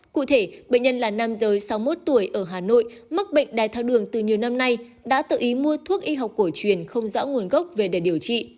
cụ thể bệnh nhân là nam giới sáu mươi một tuổi ở hà nội mắc bệnh đai thao đường từ nhiều năm nay đã tự ý mua thuốc y học cổ truyền không rõ nguồn gốc về để điều trị